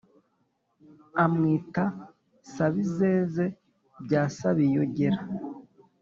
amwita sabizeze bya sabiyogera